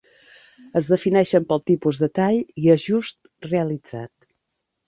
Es defineixen pel tipus de tall i ajust realitzat.